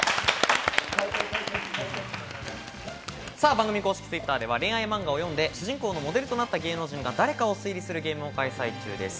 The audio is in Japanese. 番組公式Ｔｗｉｔｔｅｒでは恋愛漫画を読んで、主人公のモデルとなった芸能人が誰かを推理するゲームを開催中です。